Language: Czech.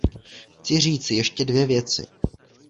Chci říci ještě dvě věci.